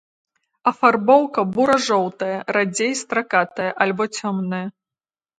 Афарбоўка бура-жоўтая, радзей стракатая або цёмная.